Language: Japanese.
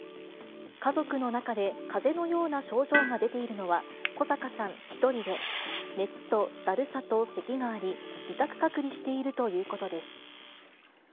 家族の中で、かぜのような症状が出ているのは古坂さん１人で、熱とだるさとせきがあり、自宅隔離しているということです。